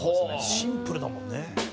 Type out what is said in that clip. シンプルだもんね。